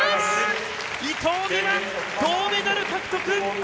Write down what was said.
伊藤美誠、銅メダル獲得！